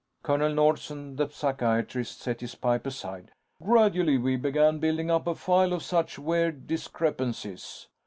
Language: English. Colonel Nordsen, the psychiatrist, set his pipe aside. "Gradually, we began building up a file of such weird discrepancies.